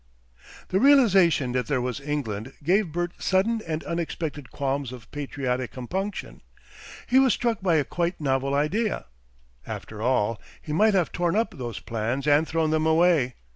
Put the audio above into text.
The realisation that there was England gave Bert sudden and unexpected qualms of patriotic compunction. He was struck by a quite novel idea. After all, he might have torn up those plans and thrown them away.